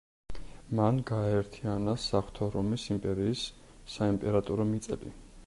მან გააერთიანა საღვთო რომის იმპერიის საიმპერატორო მიწები.